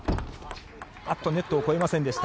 ネットを越えませんでした。